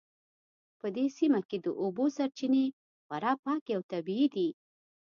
په دې سیمه کې د اوبو سرچینې خورا پاکې او طبیعي دي